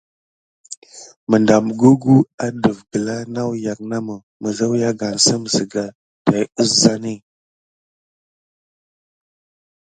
Məɗam gugu adəf gəla nawyak namə, məzawyagansəm zəga tay əzani.